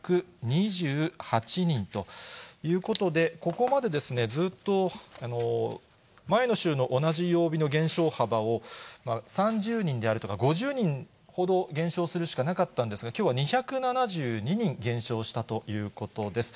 １５２８人ということで、ここまでですね、ずっと前の週の同じ曜日の減少幅を３０人であるとか５０人ほど減少するしかなかったんですが、きょうは２７２人減少したということです。